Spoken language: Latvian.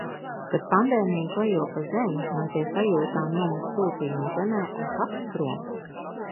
Kad pandēmija klejo pa zemi, man pie sajūtām nomet sūtījumu zemē un pati prom.